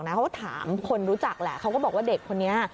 เขาก็ถามคนรู้จักแหละเขาก็บอกว่าเด็กคนนี้